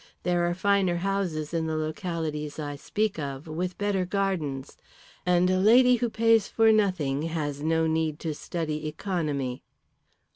There are finer houses in the localities I speak of, with better gardens. And a lady who pays for nothing has no need to study economy."